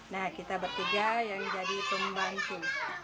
nah kita bertiga yang jadi pembantu